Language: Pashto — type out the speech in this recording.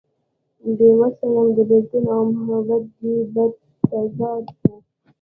بې وس يم د بيلتون او محبت دې بد تضاد ته